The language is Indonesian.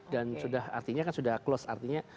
dan sudah artinya kan sudah close artinya